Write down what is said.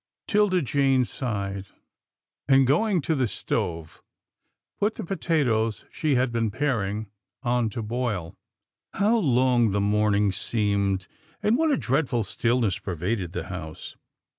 'Tilda Jane sighed, and, going to the stove, put the potatoes she had been paring on to boil. How long the morning seemed, and what a dread ful stillness pervaded the house.